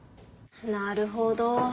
なるほど。